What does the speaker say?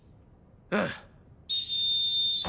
うん！